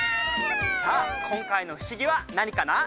さあ今回の不思議は何かな？